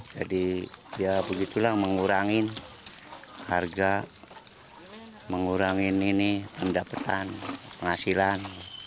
jadi ya begitulah mengurangin harga mengurangin ini pendapatan penghasilan